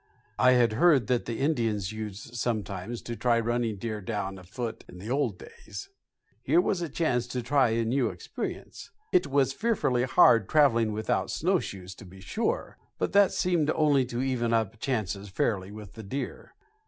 I had heard that the Indians used sometimes to try running a deer down afoot in the old days; here was the chance to try a new experience. It was fearfully hard traveling without snowshoes, to be sure; but that seemed only to even up chances fairly with the deer.